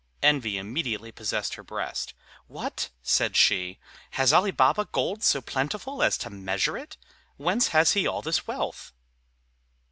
Envy immediately possessed her breast. "What!" said she, "has Ali Baba gold so plentiful as to measure it? Whence has he all this wealth?"